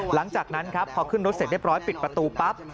หลังจากนั้นครับพอขึ้นรถเสร็จเรียบร้อยปิดประตูปั๊บ